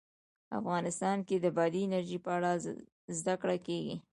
افغانستان کې د بادي انرژي په اړه زده کړه کېږي.